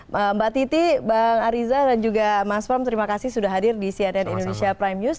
mbak titi bang ariza dan juga mas farm terima kasih sudah hadir di cnn indonesia prime news